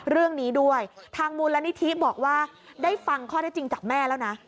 เรื่องนี้ด้วยทางมูลนิธิบอกว่าได้ฟังข้อได้จริงจากแม่แล้วนะ